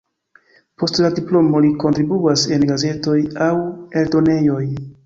Post la diplomo li kontribuas en gazetoj aŭ eldonejoj.